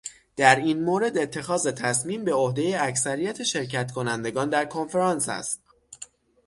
در این مورد اتخاذ تصمیم بعهدهٔ اکثریت شرکت کنندگان در کنفرانس است.